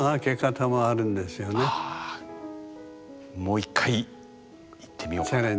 もう１回行ってみようかな。